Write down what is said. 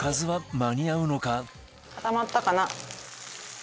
固まったかな？